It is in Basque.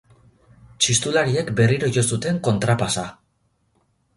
Txistulariek berriro jo zuten kontrapasa